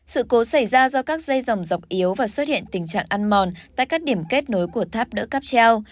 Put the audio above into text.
sự cố xảy ra do các dây dòng dọc yếu và xuất hiện tình trạng ăn mòn tại các điểm kết nối của tháp đỡ cáp treo